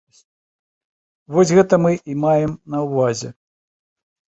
Вось гэта мы і маем на ўвазе.